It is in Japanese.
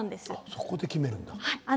そこで決めるんだ。